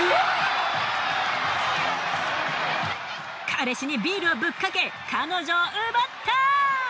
彼氏にビールをぶっかけ彼女を奪った！